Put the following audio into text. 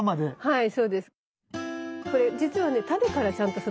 はい。